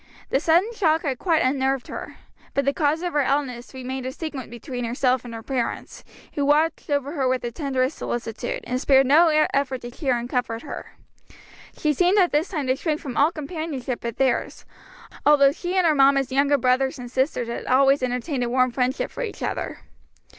The sudden shock had quite unnerved her; but the cause of her illness remained a secret between herself and her parents, who watched over her with the tenderest solicitude, and spared no effort to cheer and comfort her. She seemed at this time to shrink from all companionship but theirs, although she and her mamma's younger brothers and sisters had always entertained a warm friendship for each other.